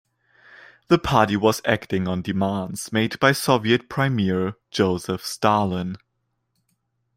The party was acting on demands made by Soviet premier Joseph Stalin.